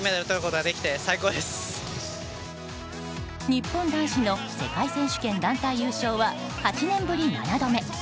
日本男子の世界選手権団体優勝は８年ぶり７度目。